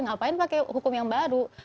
ngapain pakai hukum yang baru